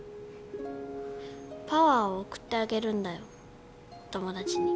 パワーを送ってあげるんだよお友達に。